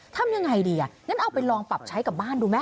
ทำยังไงดีอ่ะงั้นเอาไปลองปรับใช้กับบ้านดูไหม